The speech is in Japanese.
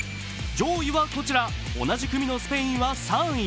上位はこちら同じ組のスペインは３位。